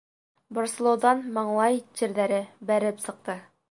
Борсолоуҙан маңлай тир-ҙәре бәреп сыҡты.